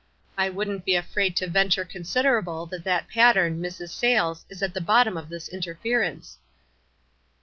I wouldn't be afraid to venture considerable that that pattern, Mrs. Sayles, is at the bottom of this interference."